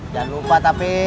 jangan lupa tapi